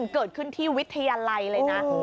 เกิดขึ้นที่วิทยาลัยเลยนะ